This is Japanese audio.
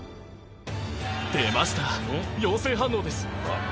出ました、陽性反応です。